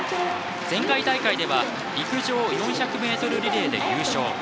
前回大会では陸上４００ｍリレーで優勝。